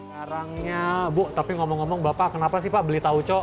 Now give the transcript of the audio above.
sekarangnya bu tapi ngomong ngomong bapak kenapa sih pak beli tauco